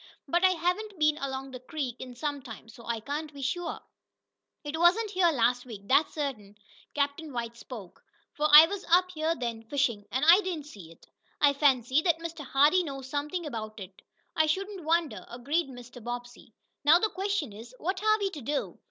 But I haven't been along the creek in some time, so I can't be sure." "It wasn't here last week, that's certain," Captain White spoke. "For I was up here then fishing, and I didn't see it. I fancy that Mr. Hardee knows something about it." "I shouldn't wonder," agreed Mr. Bobbsey. "Now the question is: What are we to do?